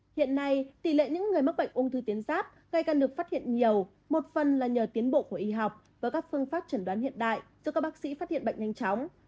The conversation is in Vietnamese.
hiện nay tỷ lệ những người mắc bệnh ung thư tiến giáp ngày càng được phát hiện nhiều một phần là nhờ tiến bộ của y học và các phương pháp chẩn đoán hiện đại giúp các bác sĩ phát hiện bệnh nhanh chóng